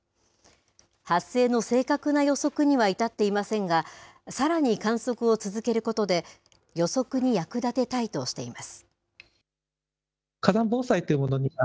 発生の正確な予測には至っていませんが、さらに観測を続けることで、予測に役立てたいとしています。